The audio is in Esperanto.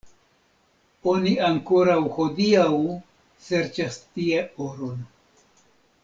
Oni ankoraŭ hodiaŭ serĉas tie oron.